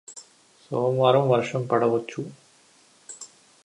సోమవారం వర్షం పడవచ్చు